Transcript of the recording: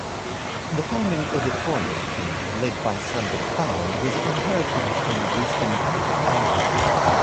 The founding editorial team, led by Sambit Bal, was inherited from "Wisden Cricket Asia".